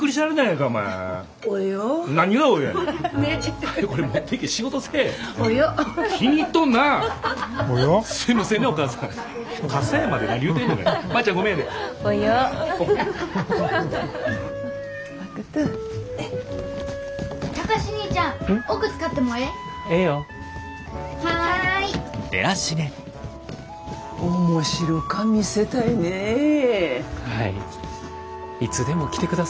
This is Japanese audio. いつでも来てください。